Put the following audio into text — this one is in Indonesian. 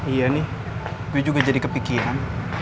iya nih gue juga jadi kepikiran